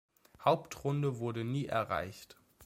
Hauptrunde wurde nie erreicht.